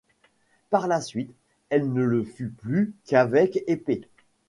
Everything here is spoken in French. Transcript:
Par la suite elle ne le fut plus qu'avec épée.